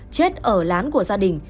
chết ở lán của gia đình